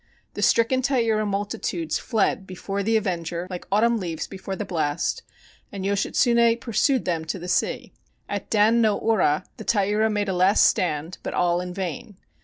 The stricken Taira multitudes fled before the avenger 316 THE STORY OF YOSHITSUNE like autumn leaves before the blast, and Yoshitsune pursued them to the sea. At Dan no Ura the Taira made a last stand, but all in vain.